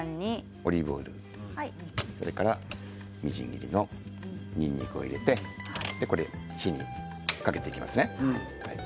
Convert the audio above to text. オリーブオイルそれからみじん切りのにんにくを入れて火にかけていきますね。